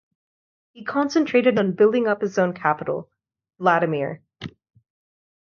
He concentrated on building up his own capital, Vladimir.